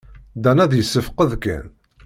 Dan ad yessefqed kan.